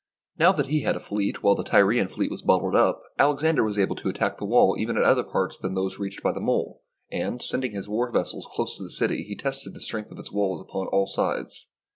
Now that he had a fleet while the Tyrian fleet was bottled up, Alexander was able to attack the wall even at other parts than those reached by his mole, and, sending his war vessels close up to the city, he tested the strength of its walls upon all sides.